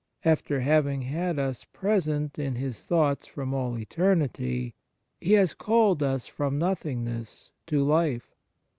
After having had us present in His thoughts from all eternity, He has called us from nothingness to life.